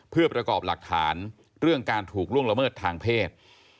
เพื่อประกอบหลักฐานเรื่องการถูกล่วงละเมิดทางเพศ